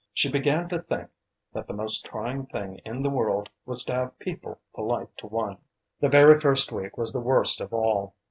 She began to think that the most trying thing in the world was to have people polite to one. The very first week was the worst of all.